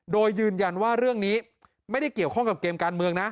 โดยยืนยันว่าเรื่องนี้ไม่ได้เกี่ยวข้องกับเกมการเมืองนะ